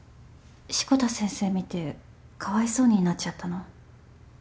志子田先生見てかわいそうになっちゃったの？